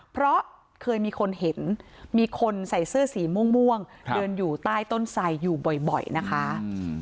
เพราะเคยมีคนเห็นมีคนใส่เสื้อสีม่วงเดินอยู่ใต้ต้นไสอยู่บ่อยนะคะ